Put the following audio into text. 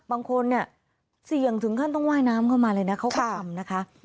บางคนเนี่ยเสี่ยงถึงขั้นต้องว่ายน้ำเข้ามาเลยนะเขาก็ทำนะคะ